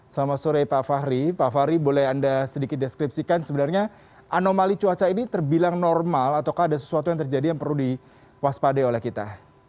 selamat sore pak fahri pak fahri boleh anda sedikit deskripsikan sebenarnya anomali cuaca ini terbilang normal ataukah ada sesuatu yang terjadi yang perlu diwaspadai oleh kita